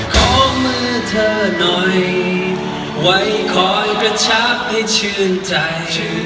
ขอมือเธอหน่อยไว้คอยกระชับให้ชื่นใจ